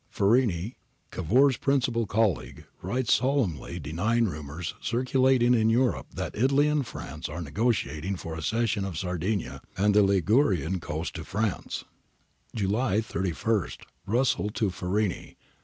Farini, Cavour s principal colleague, writes solemnly deny ing rumours circulating in Europe that Italy and Prance ar. n^otiating for a cession of Sardinia and the Ligunan coast to France. I APPENDIX A 309 July 31. Russell to Farini.